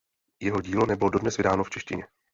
Jeho dílo nebylo dodnes vydáno v češtině.